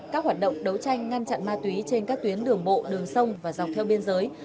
các hoạt động đấu tranh ngăn chặn ma túy trên các tuyến đường bộ đường sông và dọc theo biên giới